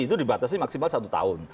itu dibatasi maksimal satu tahun